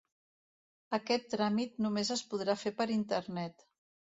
Aquest tràmit només es podrà fer per internet.